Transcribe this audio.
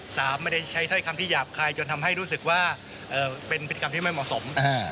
สามไม่ได้ใช้เท่าไหร่คำที่หยาบคายจนทำให้รู้สึกว่าเป็นผิดคำที่ไม่เหมาะสม